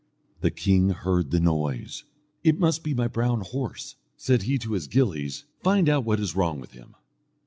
The king heard the noise. "It must be my brown horse," said he to his gillies; "find out what is wrong with him."